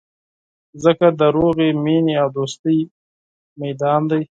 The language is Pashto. مځکه د سولي، مینې او دوستۍ میدان دی.